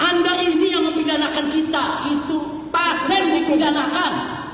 anda ini yang mempidanakan kita itu pasien dipidanakan